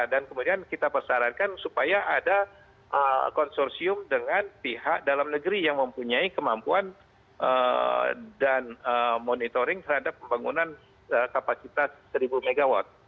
dan kemudian kita persyaratkan supaya ada konsorsium dengan pihak dalam negeri yang mempunyai kemampuan dan monitoring terhadap pembangunan kapasitas seribu megawatt